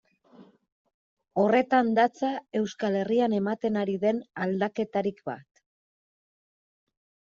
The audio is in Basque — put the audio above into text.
Horretan datza Euskal Herrian ematen ari den aldaketarik bat.